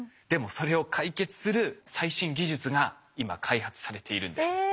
でもそれを解決する最新技術が今開発されているんです。